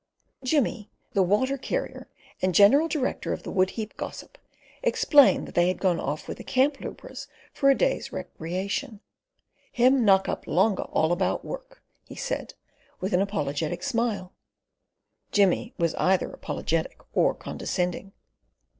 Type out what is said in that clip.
Jimmy, the water carrier and general director of the woodheap gossip, explained that they had gone off with the camp lubras for a day's recreation; "Him knock up longa all about work," he said, with an apologetic smile. Jimmy was either apologetic or condescending.